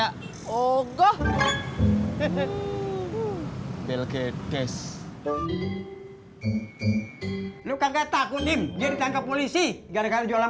hai oh goh hehehe belke tes lu kaget aku tim diri tangkap polisi gara gara jualan